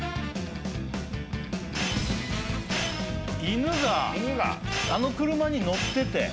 犬があの車に乗ってて。